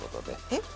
えっ？